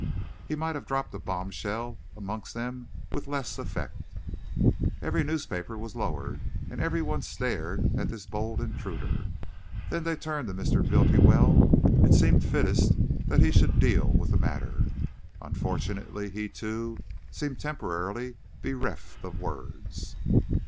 He might have dropped a bombshell amongst them with less effect. Every newspaper was lowered, and every one stared at this bold intruder. Then they turned to Mr. Bultiwell. It seemed fittest that he should deal with the matter. Unfortunately, he, too, seemed temporarily bereft of words.